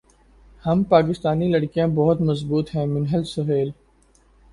ہم پاکستانی لڑکیاں بہت مضبوط ہیں منہل سہیل